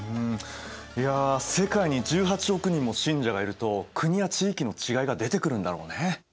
いや世界に１８億人も信者がいると国や地域の違いが出てくるんだろうね。